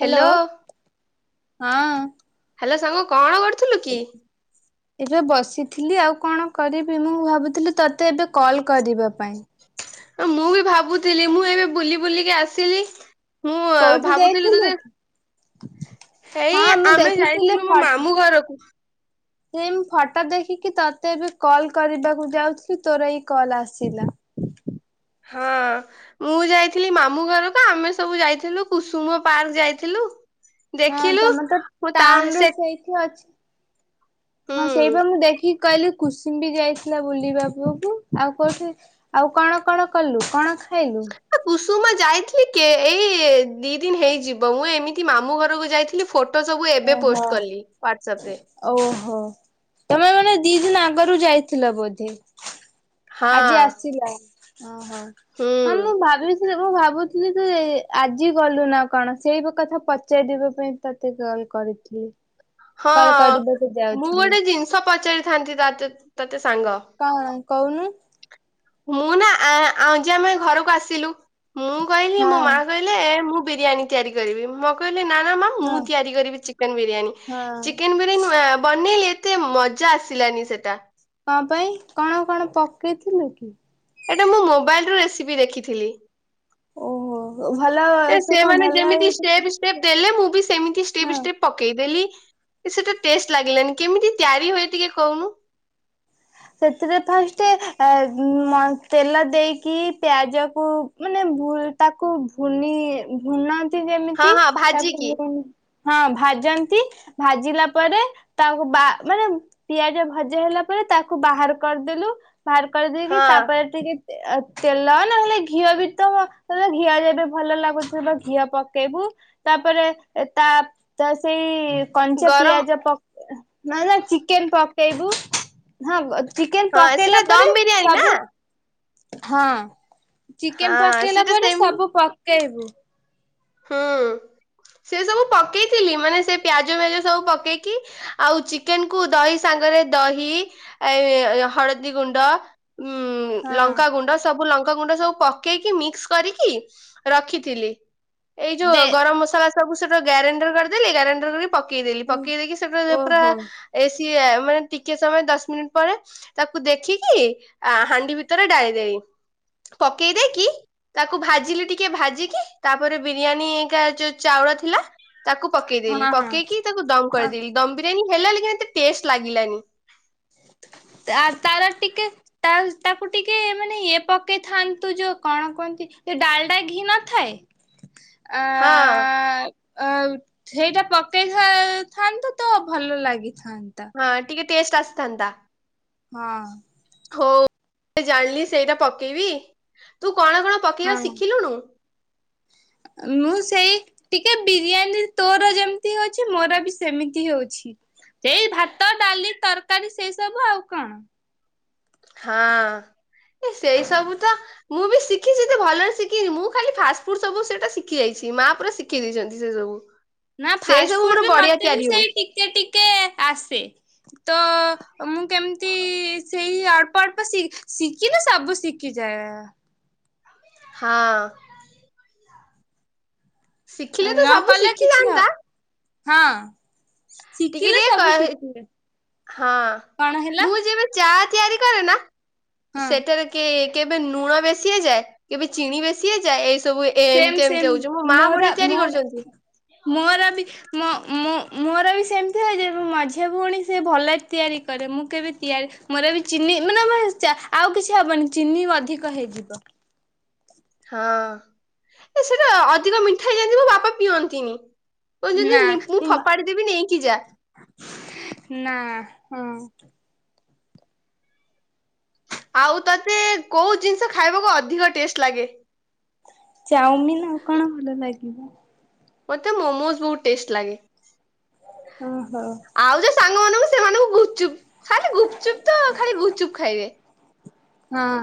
Hello ହଁ। Hello ସାଙ୍ଗ କଣ କରୁଥିଲୁ କି? ଏବେ ବସିଥିଲି ଆଉ କଣ କରିବି ମୁଁ ଭାବୁଥିଲି ତତେ ଏବେ କଲ କରିବା ପାଇଁ। ମୁଁ ବି ଭାବୁଥିଲି ମୁଁ ଏବେ ବୁଲି ବୁଲିକି ଆସିଲି। ମୁଁ କୋଉଠି ଭାବୁଥିଲି ଯାଇଥିଲୁ ତତେ କି ହେଇ ହଁ ମୁଁ ଆମେ ଦେଖିଥିଲି ଯାଇଥିଲୁ ମୋ ମାମୁଁ ଘରକୁ। ସେମ୍ ଫଟୋ ଦେଖିକି ତତେ ଏବେ କଲ କରିବାକୁ ଯାଉଥିଲି ତୋର ଏଇ କଲ୍ ଆସିଲା। ହଁ। ମୁଁ ଯାଇଥିଲି ମାମୁଁ ଘରକୁ ଆମେ ସବୁ ଯାଇଥିଲୁ କୁସୁମ ପାର୍କ ଯାଇଥିଲୁ। ଦେଖିଲୁ ପୁଣି ତା ସେ ସେ ଅଛି ହଁ ହୁଁ। ସେଇପା ମୁଁ ଦେଖି କହଲି କୁସମ୍ୱି ଯାଇଥିଲା ବୁଲିବା କୂଅକୁ ଆଉ କୋଉଠି ଆଉ କଣ କଣ କଲୁ କଣ ଖା ଏ କୁସୁମା ଯାଇଥିଲି କେ ଏଇ ଦି ଦିନ ହେଇଯିବ ମୁଁ ଏମିତି ମାମୁଁ ଘରକୁ ଯାଇଥିଲି ଫୋ ଟୋ ସବୁ ଏବେ ଓହୋ ପୋଷ୍ଟ କଲି ହ୍ୱାଟସଆପ ରେ। ଓହୋ ତମେ ମାନେ ଦି ଦିନ ଆଗରୁ ଯାଇଥିଲ ବୋଧେ। ହଁ ଆଜି ଆସିଲା ଓହୋ ହ ହୁଁ। ମୁଁ ଭାବି ଥିଲି ମୁଁ ଭାବୁଥିଲି ଯେ ଆଜି ଗଲୁ ନା କଣ ସେଇ କଥା ପଚାରିବା ପାଇଁ ତତେ କଲ୍ କରିଥିଲି। ହଁ କଲ୍ କରିବାକୁ ମୁଁ ଯାଉଥିଲି ଗୋଟେ ଜିନିଷ ପଚାରିଥାନ୍ତି ତତେ ତ ତତେ ସାଙ୍ଗ। କଣ କହୁନୁ। ମୁଁ ନା ଆଁ ଆଁ ଆଜି ଆମେ ଘରକୁ ଆସିଲୁ ମୁଁ କହିଲି ହଁ ମୋ ମା କହି ଲେ ମୁଁ ବିରିୟାନୀ ତିଆରି କରିବି ମଁ କହିଲି ନା ନା ମା ମୁଁ ହଁ। ତିଆରି କରିବି ଚିକେନ ବିରିୟାନୀ ହଁ ଚିକେନ ବିରି ଆନି ଉଁ ବନେଇଲି ଏତେ ମଜା ଆସିଲାନି ସେଟା। କ ପାଇଁ କଣ କଣ ପକେଇଥିଲୁ କି? ଏଇଟା ମୁଁ ମୋବାଇଲରେ ରେସିପି ଦେଖିଥିଲି। ଓହୋ ଭଲ ଏ ସେ କଣ ସେମାନେ ଭଲ ଯେମିତି ଷ୍ଟେପ୍ ପ ଦେଲେ ମୁଁ ବି ସେମିତି ଷ୍ଟେପ୍ ହଁ। ଷ୍ଟେପ୍ ପକେଇଦେଲି। ଏ ସେଟା ଟେଷ୍ଟ ଲାଗିଲାନି କେମିତି ତ୍ୟାରି ହୁଏ ଟିକେ କହୁନୁ। ସେଥିରେ ଫାଷ୍ଟ ଏ ମ ତେଲ ଦେଇକି ପିଆଜକୁ ମାନେ ଭୁଲ୍ ତାକୁ ଭୁନି ଭୁନାନ୍ତି ହଁ ଯେମିତି ହଁ ତାକୁ ଭାଜିକି ହଁ ଭାଜନ୍ତି। ଭାଜିଲା ପରେ ତାକୁ ବା ମାନେ ପିଆଜା ଭଜା ହେଲା ପରେ ତା ତାକୁ ବାହାର କରିଦେଲୁ ବାହାର କରିଦେଇକି ହଁ ତାପରେ ଟିକେ ତେଲ ନା ହେଲେ ଘିଅ ବି ତ ଘିଅ ଯେବେ ଭଲ ଲାଗୁଥିବ ତ ଘିଅ ପକେଇବୁ ତାପରେ ତା ସେଇ କଞ୍ଚା ଗରମ ପିଆଜ ପ ନା ନା ଚିକେନ ପକେଇବୁ। ହଁ ଚିକେନ ହଁ ପକେଇଲା ସେଟା ପରେ ଦମ ବିରିୟାନୀ ନା ସବୁ ହଁ ଚିକେନ ହଁ ପକେଇଲା ସେଟା ପରେ ସେମିତି ସବୁ ପକେଇବୁ। ହୁଁ ସେ ସବୁ ପକେଇଥିଲି ମାନେ ସେ ପିଆଜ ଫିଜ ସବୁ ପକେଇକି ଆଉ ଚିକେନ କୁ ଦହି ସାଙ୍ଗରେ ଦହି ଏ ହଳଦୀ ଗୁଣ୍ଡ ହୁଁ ହଁ ଲଙ୍କା ଗୁଣ୍ଡ ସ ସବୁ ଲଙ୍କାଗୁଣ୍ଡ ସବୁ ପକେଇକି ମିକ୍ସ କରିକି ରଖିଥିଲି। ଏଇ ଯୋଉ ଦେ ଗରମ ମସଲା ସବୁ ସେଟା ଗ୍ୟାରେଣ୍ଡର କରିଦେଲି ଗାରେଣ୍ଡର କରିିକି ପକେଇଦେଲି ପକେଇ ଦେଇକି ସେଟା ପୁରା ଓହୋ ଏସି ମାନେ ଟିକେ ସମୟ ଦଶ ମିନିଟ ପରେ ତାକୁ ଦେଖିକି ଆ ହାଣ୍ଡି ଭିତରେ ଡାଳି ଦେଇ ପକେଇ ଦେଇକି ତାକୁ ଭାଜିଲି ଟିକେ ଭାଜିକି ତା ତାପରେ ବିରିୟାନୀ କା ଯୋଉ ଚାଉଳ ଥିଲା ତାକୁ ପକେଇଦେଲି ହଁ ହଁ ପକେଇକି ତାକୁ ଦମ କରିଦେଲି ଦମ ବିରିୟାନୀ ହେଲା ଲା ଏତେ ଟେଷ୍ଟ ଲାଗିଲାନି। [inaudible] ତା ତାର ଟିକେ ତା ତାକୁ ଟିକେ ମାନେ ଇଏ ପକେଇଥାନ୍ତୁ ଯୋଉ କଣ କୁହନ୍ତି ଯଉ ଡାଲଟା ଘି ନ ଥାଏ ହଁ। ଆ ସେଇଟା ପକେଇଥାଆନ୍ତୁ ତ ଭଲ ଲାଗିଥାନ୍ତା। ହଁ ଟିକେ ଟେଷ୍ଟ ଆସିଥାନ୍ତା। ହଁ। ହଉ ଜାଣିଲି ସେଇଟା ପକେଇବି ତୁ କଣ କଣ ପକେଇବା ହଁ। ଶିଖିଲୁୁନୁ? ମୁଁ ସେଇ ଟିକେ ବିରିୟାନୀ ତୋର ଯେମିତି ହଉଛି ମୋର ବି ସେମିତି ହଉଛି ସେଇ ଭାତ ଡାଲି ତରକାରୀ ସେଇ ସବୁ ଆଉ କଣ? ହଁ ଏ ସେଇ ସବୁ ତ ମୁଁ ବି ଶିଖିଛି ଭଲରେ ଶିଖିନି ମୁଁ ଖାଲି ଫାଷ୍ଟ ଫୁଡ ସବୁ ସେଇଟା ଶିଖି ଯାଇଛି ମା ପୁରା ସି ଖି ଦେଇଛନ୍ତି ସେ ସବୁ ନା ସେଇ ଫାଷ୍ଟ ସବୁ ଫୁଡ ମୋର ବି ବଢିଆ ମତେ ବି ତିଆରି ହୁଏ ସେଇ ଟିକେ ଟିକେ ଆସେ ତ ମୁଁ କେମିତି ସେଇ ଅଳ୍ପ ଅଳ୍ପ ଶି ଶିଖିଲି ସବୁ ଶିଖିଯାଏ। ହଁ। ଶିଖିଲେ ତ ନ ସବୁ କଲେ କିଛି ଶିଖିଯାଆନ୍ତା ହବ ହଁ। ଟିକେ ଶିଖିଲେ ଟିକେ ସବୁ କରେ ଶିଖିଲେ। ହଁ କଣ ହେଲା ମୁଁ ଯେବେ ଚା ତିଆରି କରେ ନା ହଁ ସେଠାରେ କେ କେବେ ଲୁଣ ବେଶି ଯାଏ କେବେ ଚିିନ ବେଶି ଯାଏ ଏଇ ସବୁ ଏ ସେମ ଏମିତି ସେମ ଏମିତି ହଉଛି ମୋ ମା ମୋର ବଢିଆ ତିଆରି ମୋର କରୁଛନ୍ତି। ମୋର ବି ମ ମ ମ ମୋର ବି ସେମିତି ହୋଇଯାଏ ମୋ ମଝିଆ ଭଉଣୀ ସେ ଭଲ ତିଆରି କରେ ମୁଁ କେବେ ତିଆରି ମୋର ବି ଚିନି ମାନେ ଆଉ କିଛି ହବନି ଚିନି ଅଧିକ ହେଇଯିବ। ହଁ ଏ ସେଟା ଅଧିକ ମିଠା ହେଇଯାଇଥିବ ମୋ ବାପା ପିଅନ୍ତିନି। ନା କହୁଛନ୍ତି ମୁଁ ମା ଫୋପାଡି ଦେବି ନେଇକି ଯା। ନା ହଁ। ଆଉ ତୋତେ କୋଉ ଜିନିଷ ଖାଇବାକୁ ଅଧିକ ଟେଷ୍ଟ ଲାଗେ? ଚାଉମିିନ ଆଉ କଣ ଭଲ ଲାଗିବ? ମୋତେ ମୋମୋଜ ବହୁତ ଟେଷ୍ଟ ଲାଗେ। ଓହୋ। ଆଉ ଯୋଉ ସାଙ୍ଗ ମାନଙ୍କୁ ସେମାନଙ୍କୁ ଗୁପଚୁପ୍ ଖାଲି ଗୁପଚୁପ୍ ତ ଖାଲି ଗୁପଚୁପ୍ ଖାଇବେ। ହଁ।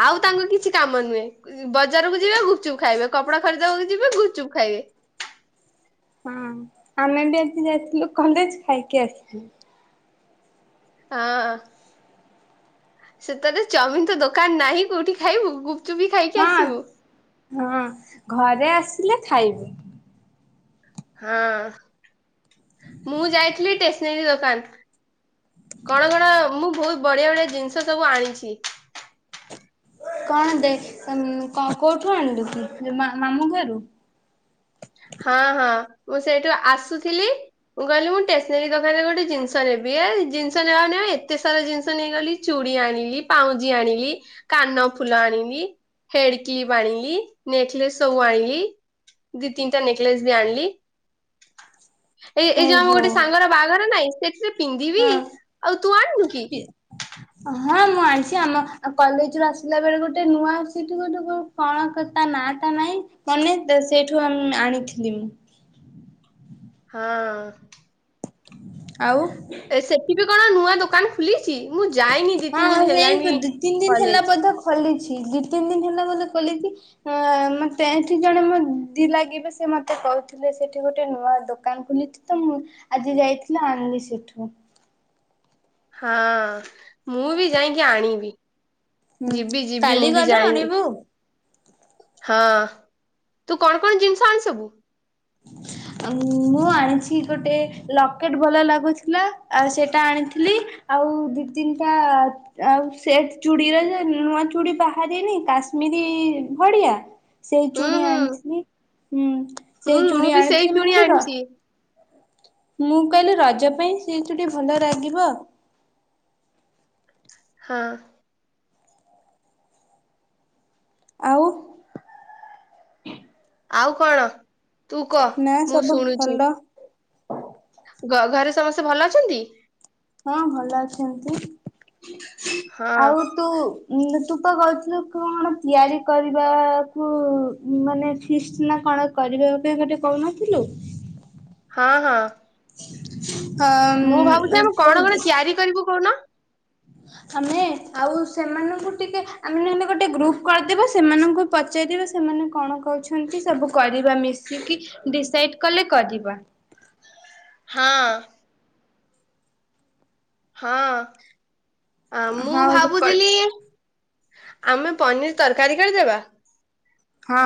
ଆଉ ତାଙ୍କ କିଛି କାମ ନୁହେଁ। ବଜାରକୁ ଯିବେ ଗୁପ୍ ଚୁପ୍ ଖାଇବେ କପଡା ଖରିଦବାକୁ ଯିବେ ଗୁପ୍ ଚୁପ୍ ଖାଇବେ। ହଁ ଆମେ ବି ଆଜି ଯାଇଥିଲୁ କଲେଜ୍ ଖାଇକି ଆସିଛୁ। ହଁ ସେତର ଚାଓମିନ୍ ତ ଦୋକାନ ନାହିଁ କୋଉଠି ଖାଇବୁ ଗୁପ୍ ତୁ ବି ଖାଇକି ହଁ। ଆସିବୁ। ହଁ ଘରେ ଆସିଲେ ଖାଇବୁ। ହଁ ମୁଁ ଯାଇଥିଲି ଟେସନାରୀ ଦୋକାନ। କଣ କଣ ମୁଁ ବହୁତ ବଢିଆ ବଢିଆ ଜିନିଷ ସବୁ ଆଣିଛି। କଣ ଦେ କୋଉଠୁ ଆଣିଲୁ କି ମାମୁଁ ଘରୁ? ହଁ ହଁ ମୁଁ ସେଇଠୁ ଆସୁଥିଲି ମୁଁ କହିଲି ମୁଁ ଟେସନାରୀ ଦୋକାନରେ ଗୋଟେ ଜିନିଷ ନେବି ଏ ଜିନିଷ ନେବାକୁ ନେ ଏତେ ସାରା ଜିନିଷ ନେଇଗଲି। ଚୁଡି ଆଣିଲି ପାଉଁଜି ଆଣିଲି କାନ ଫୁଲ ଆଣିଲି। ହେଡ୍ କ୍ଲିପ୍ ଆଣିଲି ନେକ୍ଲେସ୍ ସବୁ ଆଣିଲି। ଦି ତିନିଟା ନେକ୍ଲେସ୍ ବି ଆଣିଲି ଏ ଏ ଯୋଉ ଆମ ଓହୋ ଗୋଟେ ସାଙ୍ଗର ବାହାଘର ନାଇଁ ସେଥିରେ ପିନ୍ଧିବି ହଁ। ଆଉ ତୁ ଆଣିନୁ କି? ହଁ ମୁଁ ଆଣିଛି ଆମ କଲେଜ୍ ରୁ ଆସିଲା ବେଳେ ଗୋଟେ ନୂଆ ଅ ସେଇଠୁ ଗୋଟ କଣ କ ତା ନା ଟା ନାଇଁ ମନେ ସେଇଠୁ ଆମେ ଆଣିଥିଲି ମୁଁ। ହଁ। ଆଉ। ସେଠି ବି କଣ ନୂଆ ଦୋକାନ ଖୁଲିଛି ମୁଁ ଯାଇନି ଦି ହଁ ତିନି ଆଉ ଦିନ୍ ସେଇ ହେଲାଣି ଦି ତିନି ଦିନ ହେଲା କଲେଜ୍। ବୋଧେ ଖୋଲିଛି ଦି ତିନ୍ ଦିନ୍ ହେଲା ବୋଧେ ଖୋଲିଚି। ଅ ମତେ ଏଠି ଜଣେ ମୋ ଦି ଲାଗିବେ ସେ ମତେ କହିଥିଲେ ସେଠି ଗୋଟେ ନୂଆ ଦୋକାନ ଖୋଲିଚି। ତ ମୁଁ ଆଜି ଯାଇଥିଲି ଆଣିଲି ସେଠୁ। ହଁ ମୁଁ ବି ଯାଉଁକି ଆଣିବି। ହୁଁ ଯିବି ଯିବି କାଲି ମୁଁ ବି ଗଲେ ଯାଇନି। ଆଣିବୁ। ହଁ ତୁ କଣ କଣ ଜିନିଷ ଆଣି ସବୁ? [inaudible] ମୁଁ ଆଣିଛି ଗୋଟେ ଲକେଟ୍ ଭଲ ଲାଗୁଥିଲା ଆଉ ସେଇଟା ଆଣିଥିଲି। ଆଉ ଦି ତିନଟା ଆଉ ସେ ଚୁଡିର ଯେ ନୂଆ ଚୁଡ଼ି ବାହାରିନି କାଶ୍ମୀରୀ ଭାଡ଼ିଆ? ସେଇ ହୁଁ ଚୁଡ଼ି ହୁଁ ଆଣିଥିଲି ହୁଁ ହୁଁ ସେଇ ମୁଁ ଚୁଡ଼ି ବି ସେଇ ଆଣିଥିଲି ମୁଁ ଚୁଣି କହିଲି ର ଆଣିଛି ମୁଁ କହିଲି ରଜ ପାଇଁ ସେ ଚୁଡ଼ି ଭଲ ଲଗିବ। ହଁ। ଆଉ। ଆଉ କଣ ତୁ କହ ନା ମୁଁ ସବୁ ଶୁଣୁଛି। ଭଲ ଗ ଘରେ ସମସ୍ତେ ଭଲ ଅଛନ୍ତି? ହଁ ଭଲ ଅଛନ୍ତି ହଁ ଆଉ ତୁ ତୁ ତ କହିଥିଲୁ କଣ ତିଆରି କରିବାକୁ ମାନେ ଫିଷ୍ଟ ନା କଣ କରିବା ପାଇଁ ଗୋଟେ କହୁନଥିଲୁ? ହଁ ହଁ। ହ ମୁଁ ଭାବୁଛି ଆମେ କଣ କଣ ତିଆରି କରିବୁ କହୁନ? ଆମେ ଆଉ ସେମାନଙ୍କୁ ଟିକେ ଆମେ ନହେନେ ଗୋଟେ ଗ୍ରୁପ କରିଦେବା ସେମାନଙ୍କୁ ପଚାରିବେ ସେମାନେ କଣ କହୁଛନ୍ତି ସବୁ କରିବା ମିଶିକି। ଡିସାଇଡ୍ କଲେ କରିବା। ହଁ। ହଁ ମୁଁ ହଁ ହଁ। ଭାବୁଥିଲି ଆମେ ପନିର୍ ତରକାରୀ କରିଦେବା। ହଁ।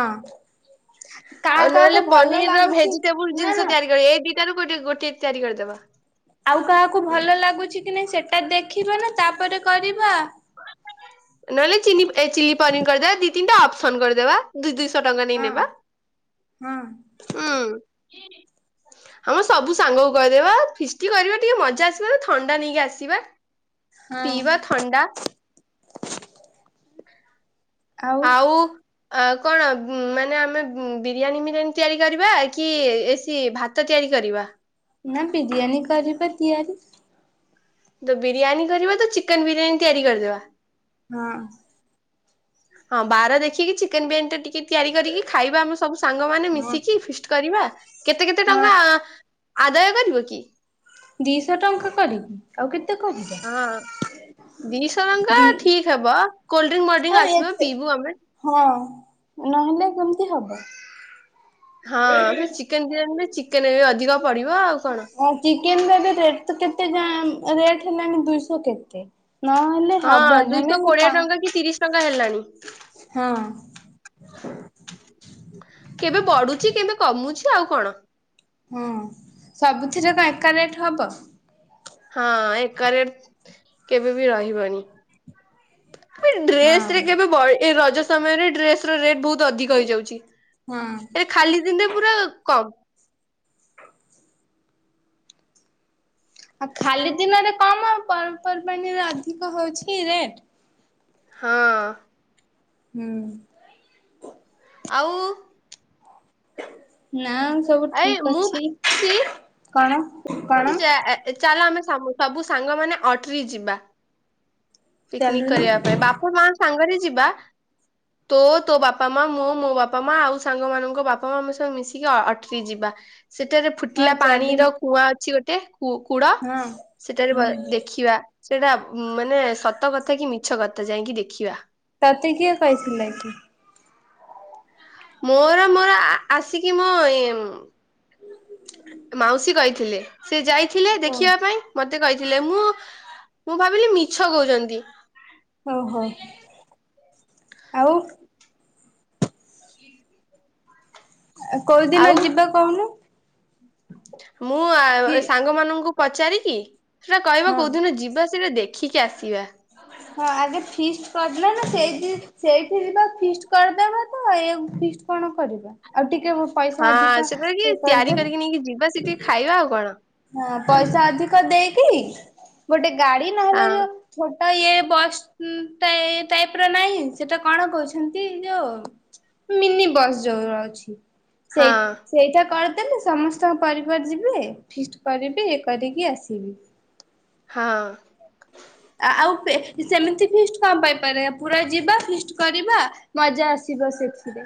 ଆଉ ନହେଲେ ପନିର ର ଲାଗୁଛି ଭେଜିଟେବୁଲ ନା ଜିନିଷ ନା ତିଆରି କରିବ ଏଇ ଦିଟାରୁ ଗୋ ଗୋଟେ ତିଆରି କରିଦବା। ଆଉ କାହାକୁ ଭଲ ଲାଗୁଛି କି ନାଇଁ ସେଟା ଦେଖିବା ନା ତାପରେ କରିବା। ନହେଲେ ଚିଲି ଚିଲି ପନିର କରିଦେବା ଦି ତିନଟା ଅପସନ୍ କରିଦେବା ଦୁଇ ଦୁଇ ଶ ଟଙ୍କା ନେଇ ହଁ ନେବା। ହଁ। ହୁଁ। ଆମ ସବୁ ସାଙ୍ଗକୁ କହିଦେବା ଫିଷ୍ଟି କରିବା ଟିକେ ମଜା ଆସିବା ଥଣ୍ଡା ନେଇକି ଆସିବା। ହଁ ପିଇବା ଥଣ୍ଡା। ଆଉ। ଆ କଣ ମାନେ ଆମେ ବିରିୟାନୀ ମିରିଆନୀ ତିଆରି କରିବା କି ଏସି ଭା ତ ତିଆରି କରିବା। ନା ବିରିୟାନୀ କରିବା ତିଆରି। ତ ବିରିୟାନୀ କରିବା ତ ଚିକେନ ବିରିୟାନୀ ତିଆରି କରିଦବା। ହଁ। ହଁ ବାର ଦେଖିକି ଚିକେନ ବିରିୟାନି ଟା ଟିକେ ତିଆରି କରିକି ଖାଇବା ଆମ ସବୁ ସାଙ୍ଗମାନେ ହଁ ମିଶିକି ଫିଷ୍ଟ କରିବା କେତେ କେତେ ହଁ ଟଙ୍କା ଆଦାୟ କରିବ କି? ଦିଶହ ଟଙ୍କା କରି। ଆଉ କେତେ କହ। ହଁ ଦିଶହ ଟଙ୍କା ଦି ଠିକ ହବ କୋଲଡ୍ରିଙ୍କ ହଁ ମୋଲଡ୍ରିଙ୍କ ଆସିବ ଏତେ ପିଇବୁ ଆମେ। ହଁ ନହେଲେ କେମିତି ହବ। ହଁ ସେ ଚିକେନ ବିରିୟାନୀରେ ଚିକେନ ଏ ଅଧିକ ପଡିବ ଆଉ କଣ। ଆଉ ଚିକେନ ର ବି ରେଟ ତ କେତେ କଣ ରେଟ ହେଲାଣି ଦୁଇଶହ କେତେ ନହେଲେ। ହଁ ହବନି ଆମେ ଦୁଇଶ କୋଡିଏ ପା ଟଙ୍କା କି ତିରିଶ ଟଙ୍କା ହେଲାଣି। ହଁ। କେବେ ବଢୁଛି କେବେ କମୁଛି ଆଉ କଣ। ହଁ ସବୁଥିରେ କଣ ଏକା ରେଟ୍ ହବ। ହଁ ଏକା ରେଟ୍‌ କେବେ ବି ରହିବନି। ଡ୍ରେସ ହଁ ରେ କେବେ ବ ରଜ ସମୟରେ ଡ୍ରେସ ର ରେଟ୍ ବହୁତ ଅଧିକ ହେଇଯାଉଛି ହଁ ଏ ଖାଲି ଦିନରେ ପୁରା କମ। ଆଉ ଖାଲି ଦିନରେ କମ ଆଉ ପର୍ବପର୍ବାଣିରେ ଅଧିକ ହଉଛି ରେଟ। ହଁ। ହୁଁ। ଆଉ। ନା ସବୁ ଏଇ ଠିକ ମୁଁ ଅଛି ଭାବୁଚି କଣ। କଣ ଚାଲ ଆମେ ସବୁ ସାଙ୍ଗମାନୋ ଅଟ୍ରି ଯିବା। ପିକନିକ କରିବା ଚାଲୁନି? ପାଇଁ ବାପ ମା ସାଙ୍ଗରେ ଯିବା। ତୋ ତୋ ବାପା ମା ମଁ ମୋ ବାପା ମା ଆଉ ସାଙ୍ଗ ମାନଙ୍କ ବାପା ମା ଆମେ ସବୁ ମିଶିକି ଅ ଅଟ୍ରି ଯିବା। ସେଠାରେ ହଁ ଫୁଟିଲା ଚାଲୁ ପାଣିର କୁଆଁ ଅଛି ଗୋଟେ କୁ କୂଡ ହଁ ସେଟାରେ ହୁଁ। ଦେଖିବା। ସେଟା ମାନେ ସତ କଥା କି ମିଛ କଥା ଯାଇଁକି ଦେଖିବା। ତତେ କିଏ କହିଥିଲେ କି? ମୋର ମୋର ଆସିକି ମଁ ଏ ମାଉସୀ କହିଥିଲେ ସେ ଯାଇଥିଲେ ଓ ଦେଖିବା ପାଇଁ ମ ମତେ କହିଥିଲେ ମୁଁ ମୁଁ ଭାବିଲି ମିଛ କହୁଛନ୍ତି। ଓ ହୋ ଆଉ। କୋଉଦିନ ଆଉ ଯିବା କହୁନୁ। ଫି ମୁଁ ସାଙ୍ଗ ମାନଙ୍କୁ ପଚାରିକି ସେଟା କହିବ ହଁ କୋଉଦିନ ଯିବା ସେଇଟା ଦେଖ ଦେଖିକି ଆସିବା। ହଁ ଆଗେ ଫିଷ୍ଟ କରିିଦେଲନା ସେଇଠି। ସେଇଠି ଯିବା ଫିଷ୍ଟ କରିଦବା ତ ଏଇଆକୁ ଫିଷ୍ଟ କଣ କରିବା ଆଉ ଟିକେ ପଇସା ହଁ ଅଧିକ ସେଗୁଡାକି ଇଏ ତିଆରି କରିଦେବା। କରିକି ନେଇକି ଯିବା ସେଠି ଖାଇବା ଆଉ କଣ। ହଁ ପଇସା ଅଧିକ ଦେଇକି ଗୋଟେ ଗାଡି ନହେଲେ ହଁ ଯୋଉ ଛୋଟ ଇଏ ବସ୍ ଉଁ ଟାଇ ଟାଇପ ର ନାହିଁ ସେଟା କଣ କହୁଛନ୍ତି ଏ ଯୋଉ ମିନି ବସ୍ ଯୋଉ ରହୁଛି। ସେଇ ହଁ ସେଇଟା କରିଦେଲେ ସମସ୍ତଙ୍କ ପରିବାର ଯିବେ ଫିଷ୍ଟ କରିବି କରିକି ଆସିବି। ହଁ। ଆ ଆଉ ପେ ସେମିତି ଫିଷ୍ଟ କଣ ପାଇଁ କରିବା ପୁରା ଯିବା ଫିଷ୍ଟ କରିବା ମଜା ଆସିବ ସେଥିରେ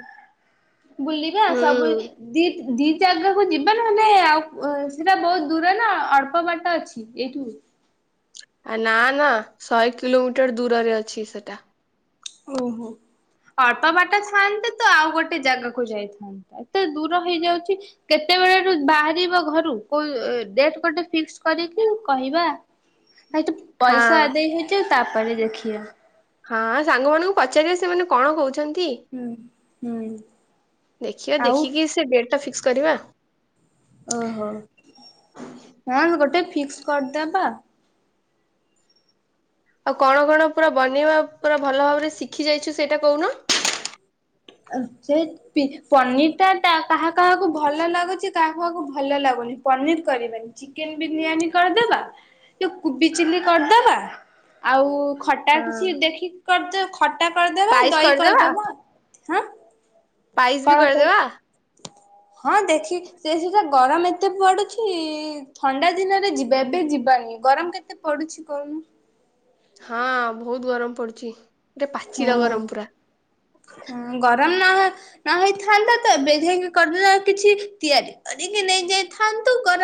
ବୁଲିବା ସବୁ ହୁଁ ଦିତ୍ ଦି ଜାଗାକୁ ଯିବା ନହେଲେ ଆଉ ଅ ସେଟା ବହୁତ ଦୂର ନା ଅଳ୍ପ ବାଟ ଅଛି ଏଇଠୁ? ଆ ନା ନା ଶହେ କିଲୋମିଟର ଦୂରରେ ଅଛି ସେଟା। ଓହୋ ଅଳ୍ପ ବାଟ ଥାଆନ୍ତା ତ ଆଉ ଗୋଟେ ଜାଗାକୁ ଯାଇଥାନ୍ତେ। ତ ଏତେ ଦୂର ହେଇଯାଉଛି କେତେବେଳରୁ ବାହାରିବ ଘରୁ କୋଉ ଉ ଡେଟ ଗୋଟେ ଫିକ୍ସ କରିକି କହିବା ଭାଇ ତ ପଇସା ହଁ ଆଦାଏ ହେଇଯାଉ ତାପରେ ଦେଖିବା। ହଁ ସାଙ୍ଗମାନଙ୍କୁ ପଚାରିବା ସେମାନେ କଣ କହୁଛନ୍ତି? ହୁଁ ହୁଁ। ଦେଖିବା ଆଉ ଦେଖିକି ସେ ଡେଟ୍ ଟା ଫିକ୍ସ କରିବା। ଓହୋ ନା ମ ଗୋଟେ ଫିକ୍ସ କରିଦେବା ଆଉ କଣ କଣ ପୁରା ବନେଇବା ପୁରା ଭଲ ଭାବରେ ଶିଖି ଯାଇଚୁ ସେଇଟା କହୁନ? [unintelligible] ଟି ପନିର ଟା କା କାହା କାହାକୁ ଭଲ ଲାଗୁଛି କାହା କାହାକୁ ଭଲ ଲାଗୁନି ପନିର କରିବାନି। ଚିକେନ ବିରିୟାନୀ କରିଦେବା, ଯୋଉ କୁବି ଚିଲ୍ଲି କରିଦବା ଆଉ ଖଟା କିଛି ଦେଖିକି କରିଦ ଖଟା କରିଦେବା, ଦହି କରିଦେବା ହଁ ପାଇସ୍ ବି କଣ କଉ କରିଦେବା ହଁ ଦେଖି ସେ ସେଟା ଗରମ ଏତେ ପଡୁଛି ଥଣ୍ଡା ଦିନରେ ଯିବା ଏବେ ଯିବାନି ଗରମ କେତେ ପଡୁଛି କହୁନୁ। ହଁ ଭଉତ ଗରମ ପଡୁଛି। ଗୋଟେ ପାଚିଲା ହଁ ଗରମ ପୁରା। ହଁ ଗରମ ନ ନ ହେଇଥାନ୍ତା ତ ଏବେ ଯାଇ କରିଦବା କିଛି ତିଆରି କରିକି ନେଇ ଯାଇଥାନ୍ତୁ ଗରମ୍